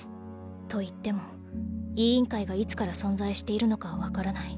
といっても委員会がいつから存在しているのかはわからない。